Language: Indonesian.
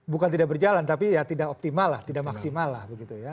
bukan tidak berjalan tapi ya tidak optimal lah tidak maksimal lah begitu ya